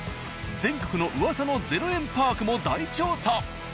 ［全国の噂の０円パークも大調査］